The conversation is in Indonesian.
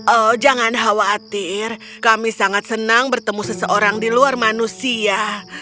oh jangan khawatir kami sangat senang bertemu seseorang di luar manusia